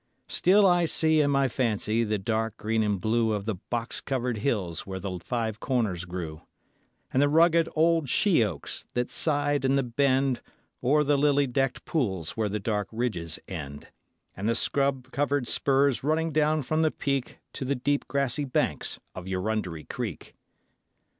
Still I see in my fancy the dark green and blue Of the box covered hills where the five corners grew; And the rugged old sheoaks that sighed in the bend O'er the lily decked pools where the dark ridges end, And the scrub covered spurs running down from the Peak To the deep grassy banks of Eurunderee Creek.